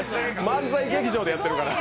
漫才劇場でやってるから。